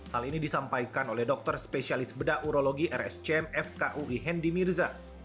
hal ini disampaikan oleh dokter spesialis bedah urologi rscm fkui hendi mirza